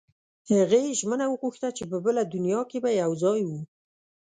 هغې ژمنه وغوښته چې په بله دنیا کې به یو ځای وو